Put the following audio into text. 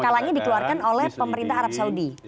keluarkan oleh pemerintah arab saudi